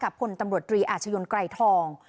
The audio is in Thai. กับคนตำรวจตรีอาชญนกลายทอง